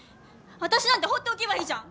私なんて放っておけばいいじゃん！